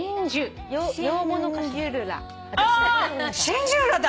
シンジュルラだ！